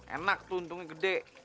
enak tuh untungnya gede